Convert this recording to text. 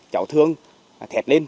cháu thương thét lên